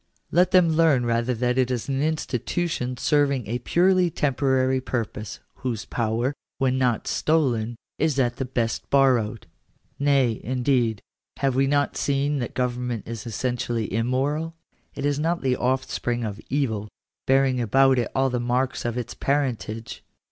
Let them learn rather that it is an institution serving a purely temporary purpose, whose power, when not stolen, is at the best borrowed. Nay, indeed, have we not seen (p. 13) that government isj essentially immoral ? Is it not the offspring of evil, bearing; about it all the marks of its parentage